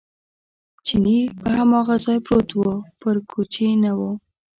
چیني په هماغه ځای پروت و، پر کوچې نه و.